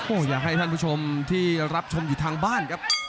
อยากให้ท่านผู้ชมที่รับชมอยู่ทางบ้านครับ